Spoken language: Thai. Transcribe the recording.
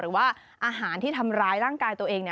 หรือว่าอาหารที่ทำร้ายร่างกายตัวเอง